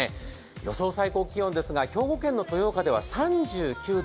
予想最高気温ですが、兵庫県の豊岡では３９度。